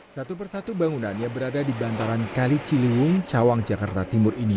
satu persatu bangunan yang berada di bantaran kali ciliwung cawang jakarta timur ini